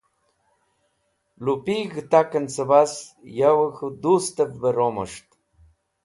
Lupig̃h gutaken cebas Yowey K̃hu Dustev be Romos̃ht